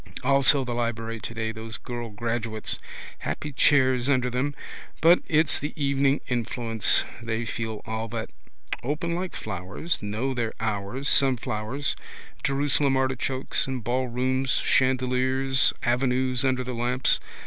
Also the library today: those girl graduates. Happy chairs under them. But it's the evening influence. They feel all that. Open like flowers, know their hours, sunflowers, Jerusalem artichokes, in ballrooms, chandeliers, avenues under the lamps.